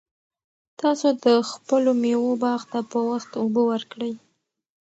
تاسو د خپلو مېوو باغ ته په وخت اوبه ورکړئ.